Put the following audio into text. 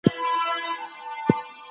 ناروغۍ اکثره له مور ماشوم ته لېږدي.